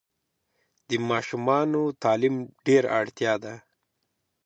د ماشومانو تعلیم ډېره اړتیا ده.